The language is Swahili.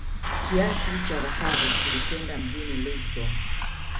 Kiatu cha dhahabu kilikwenda mjini Lisbon